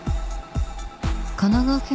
神奈川県